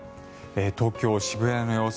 東京・渋谷の様子